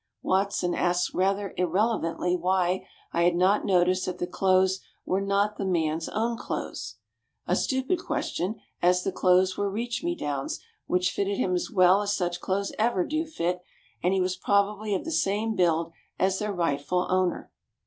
Watson asked rather irrelevantly why I had not noticed that the clothes were not the man's own clothes. A stupid question, as the clothes were reach me downs which fitted him as well as such clothes ever do fit, and he was probably of the same build as their rightful owner.